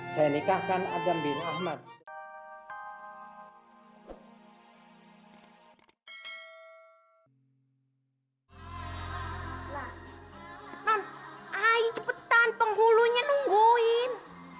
saya nikahkan adam bin ahmad hai hai hai hai cepetan penggulunya nungguin